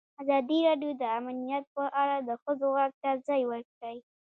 ازادي راډیو د امنیت په اړه د ښځو غږ ته ځای ورکړی.